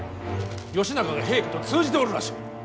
義仲が平家と通じておるらしい。